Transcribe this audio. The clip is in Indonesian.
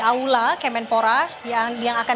aula kemenpora yang akan